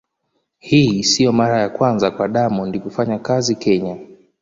Hii sio mara ya kwanza kwa Diamond kufanya kazi Kenya.